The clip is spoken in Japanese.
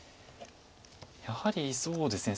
やはりそうですね